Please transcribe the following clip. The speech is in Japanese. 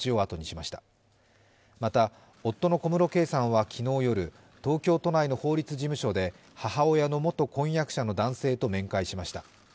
また、夫の小室圭さんは昨日夜、東京都内の法律事務所で母親の元婚約者の男性と面会しました。